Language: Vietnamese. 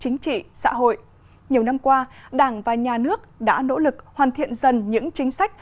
nhiều năm qua đảng và nhà nước đã nỗ lực hoàn thiện dần những chính sách